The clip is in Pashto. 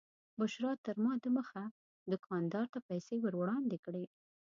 بشرا تر ما دمخه دوکاندار ته پیسې ور وړاندې کړې.